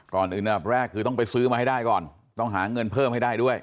ก่อนอื่นอันดับแรกคือต้องไปซื้อมาให้ได้ก่อนต้องหาเงินเพิ่มให้ได้ด้วย